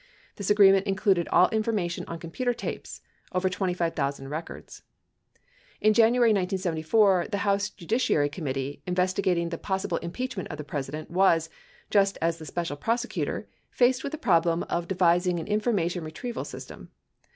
This agreement included all information on computer tapes, over 25,000 records. In January 1974, the House Judiciary Committee, investigating the possible impeachment of the President, was, just as the Special Prosecutor, faced with the problem of devising an information re trieval system.